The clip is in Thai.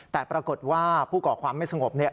แต่ปรากฏว่าผู้ก่อความไม่สงบเนี่ย